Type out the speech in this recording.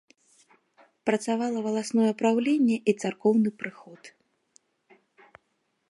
Працавала валасное праўленне і царкоўны прыход.